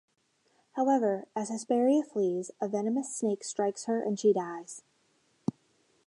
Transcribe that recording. However, as Hesperia flees a venomous snake strikes her and she dies.